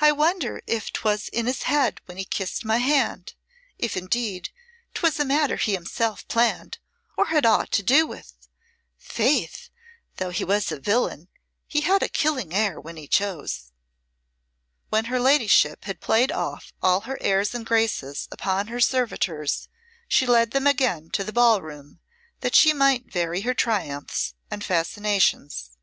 "I wonder if 'twas in his head when he kissed my hand if indeed 'twas a matter he himself planned or had aught to do with. Faith! though he was a villain he had a killing air when he chose." When her ladyship had played off all her airs and graces upon her servitors she led them again to the ball room that she might vary her triumphs and fascinations.